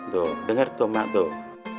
tuh denger tuh ma tuh